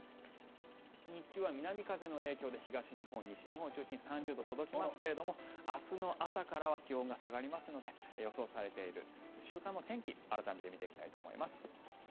日中は南風の影響で東日本、西日本を中心に３０度、届きますが明日の朝からは気温が下がりますので予想されている週間の天気改めて見ていきたいと思います。